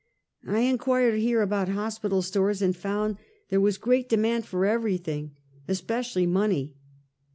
I inquired here about hospital stores, and found there was great demand for everytliing, especially money.